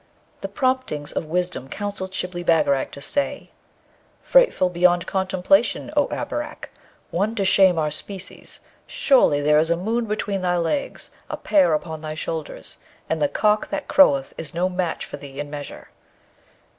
The promptings of wisdom counselled Shibli Bagarag to say, 'Frightful beyond contemplation, O Abarak! one to shame our species! Surely, there is a moon between thy legs, a pear upon thy shoulders, and the cock that croweth is no match for thee in measure.'